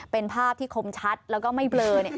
เป็นภาพที่คมชัดแล้วก็ไม่เบลอ